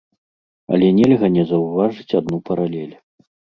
Але нельга не заўважыць адну паралель.